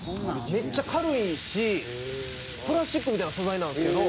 「めっちゃ軽いしプラスチックみたいな素材なんですけど」